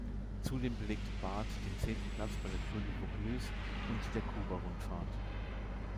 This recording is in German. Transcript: Zudem belegte Barth den zehnten Platz bei der Tour du Vaucluse und der Kuba-Rundfahrt.